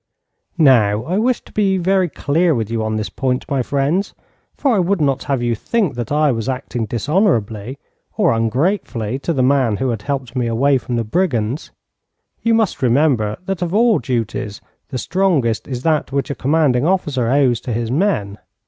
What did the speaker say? Now, I wish to be very clear with you on this point, my friends, for I would not have you think that I was acting dishonourably or ungratefully to the man who had helped me away from the brigands. You must remember that of all duties the strongest is that which a commanding officer owes to his men.